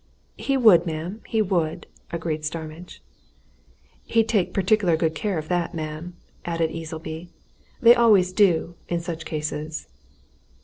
"He would, ma'am, he would!" agreed Starmidge. "He'd take particular good care of that, ma'am," added Easleby. "They always do in such cases."